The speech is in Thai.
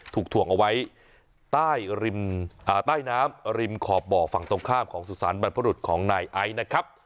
ถ่วงเอาไว้ใต้ริมใต้น้ำริมขอบบ่อฝั่งตรงข้ามของสุสานบรรพรุษของนายไอซ์นะครับ